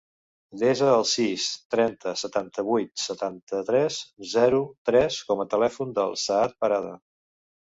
Desa el sis, trenta, setanta-vuit, setanta-tres, zero, tres com a telèfon del Saad Parada.